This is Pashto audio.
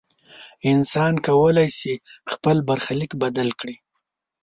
انسان کولی شي خپل برخلیک بدل کړي.